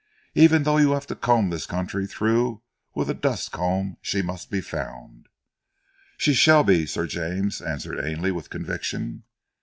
Even though you have to comb this country through with a dust comb she must be found." "She shall be, Sir James," answered Ainley with conviction.